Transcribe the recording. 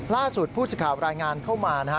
ล่าสุดผู้สิทธิ์รายงานเข้ามานะฮะ